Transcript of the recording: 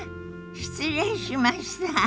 失礼しました。